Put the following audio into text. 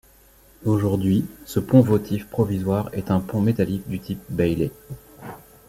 Aujourd'hui, ce pont votif provisoire est un pont métallique du type Bailey.